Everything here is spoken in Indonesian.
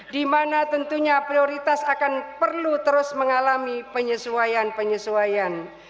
di mana tentunya prioritas akan perlu terus mengalami penyesuaian penyesuaian